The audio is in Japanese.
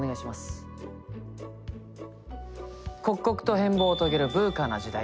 刻々と変貌を遂げるＶＵＣＡな時代。